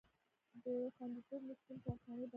د خوندیتوب نشتون کارخانې بندوي.